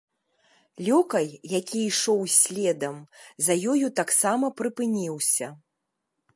Лёкай, які ішоў следам, за ёю таксама прыпыніўся.